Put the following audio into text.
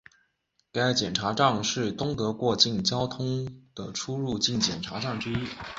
该检查站是东德过境交通的出入境检查站之一。